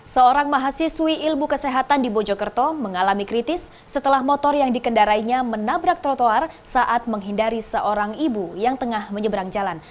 seorang mahasiswi ilmu kesehatan di mojokerto mengalami kritis setelah motor yang dikendarainya menabrak trotoar saat menghindari seorang ibu yang tengah menyeberang jalan